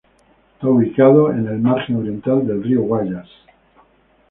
Está ubicado en el margen oriental del río Guayas.